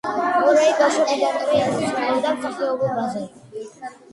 მორაი ბავშვობიდანვე ოცნებობდა მსახიობობაზე.